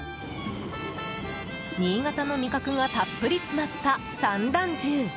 新潟の味覚がたっぷり詰まった三段重。